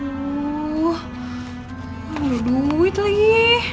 gak ada duit lagi